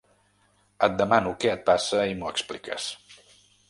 Et demano què et passa i m'ho expliques.